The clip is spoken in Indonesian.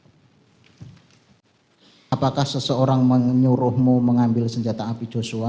hai apakah seseorang menyuruhmu mengambil senjata api joshua